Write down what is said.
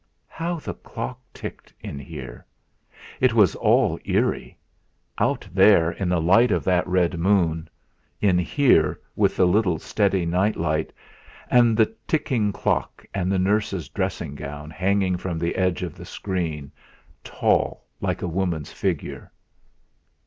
How the clock ticked, in here! It was all eerie out there in the light of that red moon; in here with the little steady night light and, the ticking clock and the nurse's dressing gown hanging from the edge of the screen, tall, like a woman's figure.